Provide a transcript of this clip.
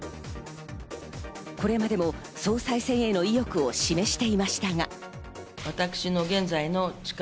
これまでも総裁選への意欲を示していましたが。